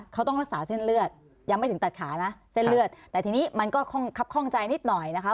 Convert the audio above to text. เขาต้องรักษาเส้นเลือดยังไม่ถึงตัดขานะเส้นเลือดแต่ทีนี้มันก็คับข้องใจนิดหน่อยนะคะ